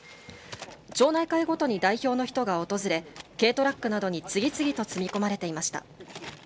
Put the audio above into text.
町内会ごとに代表の人が訪れ軽トラックなどに次々と積み込まれていました。